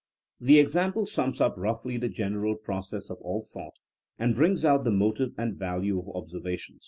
... The example sums up roughly the general process of all thought, and brings out the mo tive and value of observation.